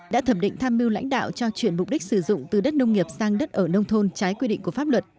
đã thẩm định tham mưu lãnh đạo cho chuyển mục đích sử dụng từ đất nông nghiệp sang đất ở nông thôn trái quy định của pháp luật